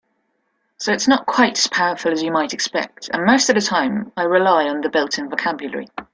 So it's not quite as powerful as you might expect, and most of the time I rely on the built-in vocabulary.